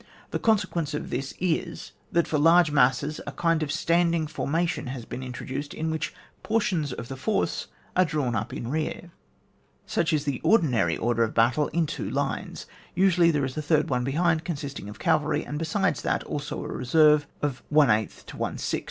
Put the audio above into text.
The consequence of this is, that for large masses a kind of standing for mation has been introduced, in which portions of the force are drawn up in rear \ such is the ordinary order of battle in two lines ; usually there is a third one behind, consisting of cavalry, and besides that, also, a reserve of J to ^, &c.